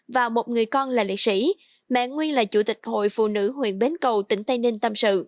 và một người con là liệt sĩ mẹ nguyên là chủ tịch hội phụ nữ huyện bến cầu tỉnh tây ninh tâm sự